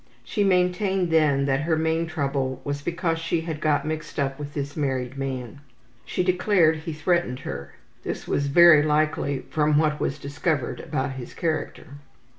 She maintained then that her main trouble was because she had got mixed up with this married man. She declared he threatened her. (This was very likely from what was discovered about his character.)